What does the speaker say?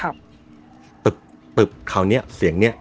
ปึ๊บคราวเนี้ยเสียงเนี้ย